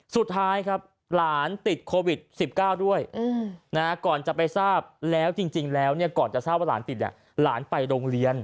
สุดท้ายครับหลานติดโควิด๑๙ด้วยก่อนจะไปทราบแล้วจริงแล้วก่อนจะทราบว่าหลานติดหลานไปโรงเรียน